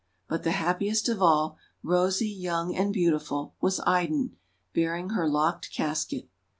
But the happiest of all, rosy, young, and beautiful, was Idun, bearing her locked casket.